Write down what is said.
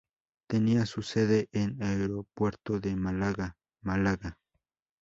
Tenía su sede en Aeropuerto de Málaga, Málaga.